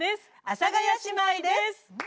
阿佐ヶ谷姉妹です。